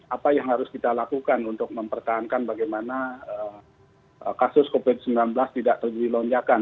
apa yang harus kita lakukan untuk mempertahankan bagaimana kasus covid sembilan belas tidak terjadi lonjakan